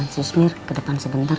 sus mir ke depan sebentar